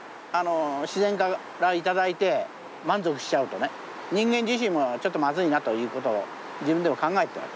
自然から頂いて満足しちゃうとね人間自身もちょっとまずいなということを自分でも考えて。